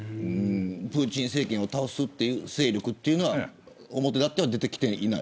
プーチン政権を倒す勢力は表立っては出てきてはいない。